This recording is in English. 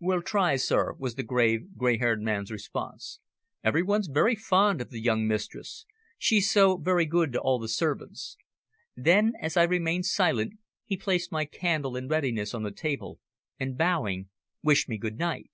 "We'll try, sir," was the grave, grey haired man's response. "Everybody's very fond of the young mistress. She's so very good to all the servants." Then, as I remained silent, he placed my candle in readiness on the table, and, bowing, wished me good night.